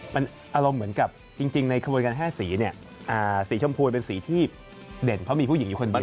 มันอารมณ์เหมือนกับจริงในขบวนการ๕สีเนี่ยสีชมพูเป็นสีที่เด่นเพราะมีผู้หญิงอยู่คนบางคน